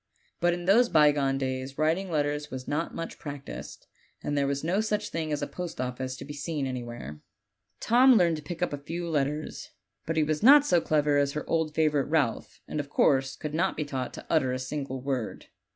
But in those bygone days writing letters was not much practiced, and there was no such thing as a post office to be seen anywhere. Tom learned to pick up a few letters, but he was not so OLD, OLD FA1RT TJLLB8. ft clever as her old favorite Ralph, and of course could not be taught to utter a single word.